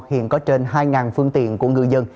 hiện có trên hai phương tiện của người dân